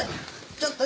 ちょっと。